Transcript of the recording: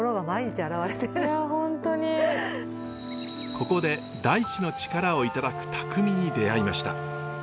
ここで大地の力をいただく匠に出会いました。